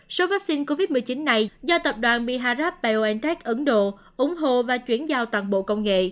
số vaccine covid một mươi chín này do tập đoàn biharp biontech ấn độ ủng hộ và chuyển giao toàn bộ công nghệ